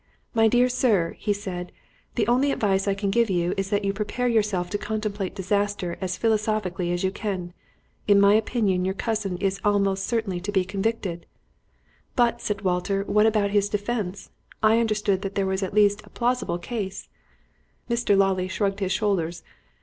'My dear sir,' he said, 'the only advice I can give you is that you prepare yourself to contemplate disaster as philosophically as you can. In my opinion your cousin is almost certain to be convicted.' 'But,' said Walter, 'what about the defence? I understood that there was at least a plausible case.' Mr. Lawley shrugged his shoulders.